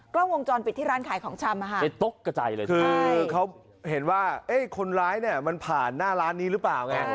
กล้องวงจรปิดที่ร้านขายของชำไปตกกระจายเลยคือเขาเห็นว่าคนร้ายเนี่ยมันผ่านหน้าร้านนี้หรือเปล่าไง